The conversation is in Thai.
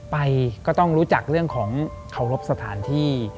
ไปก็ต้องรู้จักเรื่องของเคารพสถานที่